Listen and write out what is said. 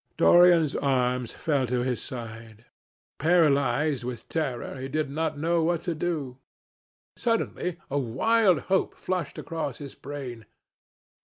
Dorian's arms fell to his side. Paralysed with terror, he did not know what to do. Suddenly a wild hope flashed across his brain.